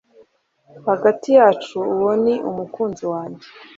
Hagati yacu uwo ni umukunzi wanjye